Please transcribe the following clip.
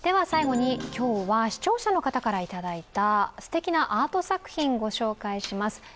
最後に今日は視聴者の方からいただいたすてきなアート作品、ご紹介します